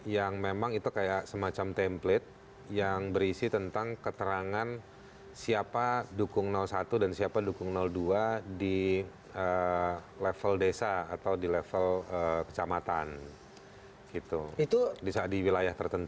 yang memang itu kayak semacam template yang berisi tentang keterangan siapa dukung satu dan siapa dukung dua di level desa atau di level kecamatan gitu di wilayah tertentu